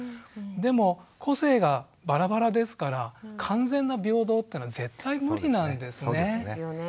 でも個性がバラバラですから完全な平等っていうのは絶対無理なんですね。